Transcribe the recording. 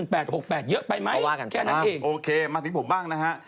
เพราะว่ากันจังโอเคมาถึงผมบ้างนะฮะ